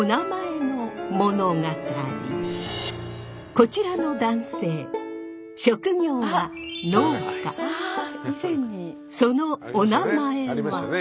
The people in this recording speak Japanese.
こちらの男性職業はそのおなまえは。